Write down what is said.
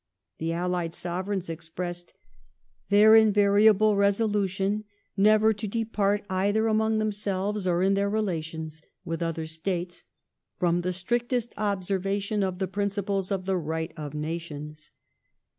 The allied Sovereigns expressed " their invariable resolu tion never to depart either among themselves or in their relations with other States from the strictest observation of the principles of the right of nations